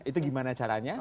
itu gimana caranya